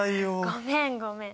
ごめんごめん！